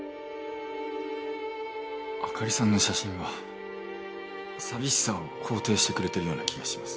朱莉さんの写真は寂しさを肯定してくれているような気がします。